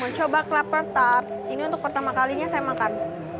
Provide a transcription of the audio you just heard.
mau coba kelapa tart ini untuk pertama kalinya saya makan